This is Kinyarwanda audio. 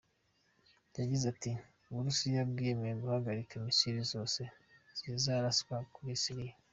Yagize ati “Uburusiya bwiyemeje guhagarika misile zose zizaraswa kuri Siriya.